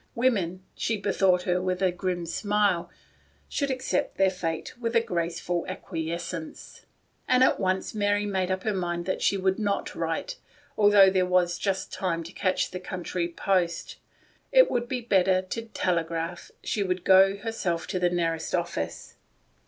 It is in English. Women, she bethought her with a grim smile, should accept their fate with a graceful acquiescence. And at once Mary made up her mind that she would not write, although there was just time to catch the country post. It would be far better to telegraph. She would go her self to the nearest office.